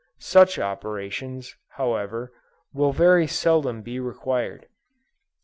Such operations, however, will very seldom be required.